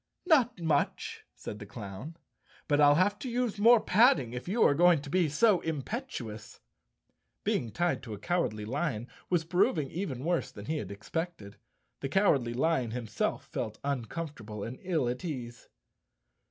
"Not much," said the clown, "but I'll have to use more padding if you are going to be so impetuous." Being tied to a Cowardly Lion was proving even worse than he had expected. The Cowardly Lion himself felt uncomfortable and ill at ease.